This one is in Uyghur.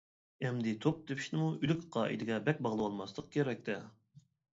ئەمدى توپ تېپىشنىمۇ ئۆلۈك قائىدىگە بەك باغلىۋالماسلىق كېرەكتە.